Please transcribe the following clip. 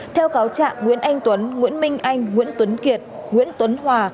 theo cáo trạng nguyễn anh tuấn nguyễn minh anh nguyễn tuấn kiệt nguyễn tuấn hòa